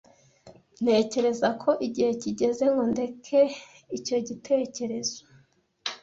Ntekereza ko igihe kigeze ngo ndeke icyo gitekerezo.